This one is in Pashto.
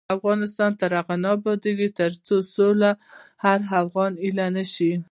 افغانستان تر هغو نه ابادیږي، ترڅو سوله د هر افغان هیله نشي.